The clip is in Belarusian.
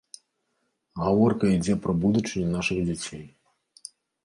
Гаворка ідзе пра будучыню нашых дзяцей.